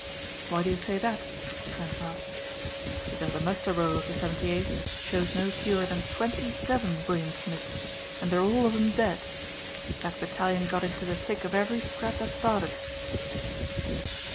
"Why do you say that?" Trent asked. "Because the muster roll of the 78th shows no fewer than twenty seven William Smiths and they're all of 'em dead. That battalion got into the thick of every scrap that started."